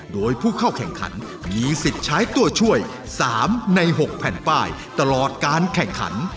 โดยผู้เข้าแข่งขันมีสิทธิ์ใช้ตัวช่วย๓ใน๖แผ่นป้ายตลอดการแข่งขัน